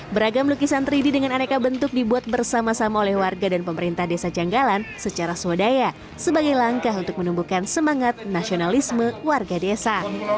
beragam lukisan tiga d dengan aneka bentuk dibuat bersama sama oleh warga dan pemerintah desa janggalan secara swadaya sebagai langkah untuk menumbuhkan semangat nasionalisme warga desa